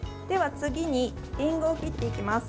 次に、りんごを切っていきます。